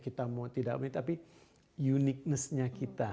kita mau tidak tapi uniquenessnya kita